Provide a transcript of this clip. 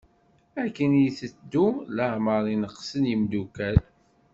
Akken iteddu leɛmer i neqqsen yemdukal.